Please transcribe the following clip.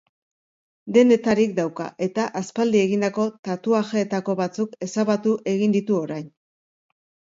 Denetarik dauka eta aspaldi egindako tatuajeetako batzuk ezabatu egin ditu orain.